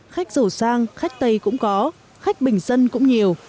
khách dổ sang khách tây cũng có khách bình dân cũng nhiều